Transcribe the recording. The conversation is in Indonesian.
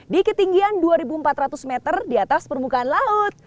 di ketinggian dua empat ratus meter di atas permukaan laut